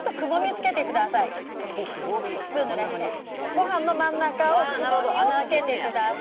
ごはんの真ん中をくぼみをつけてください。